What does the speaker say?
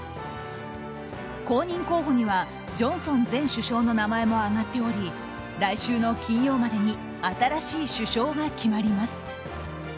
公認候補にはジョンソン前首相の名前も挙がっており来週の金曜までに新しい首相が決まります。